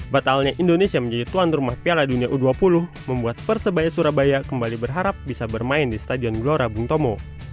batalnya indonesia menjadi tuan rumah piala dunia u dua puluh membuat persebaya surabaya kembali berharap bisa bermain di stadion gelora bung tomo